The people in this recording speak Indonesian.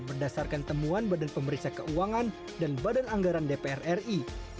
berdasarkan temuan badan pemeriksa keuangan dan badan anggaran dpr ri